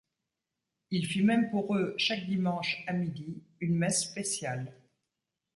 Il fit même pour eux chaque dimanche, à midi, une messe spéciale.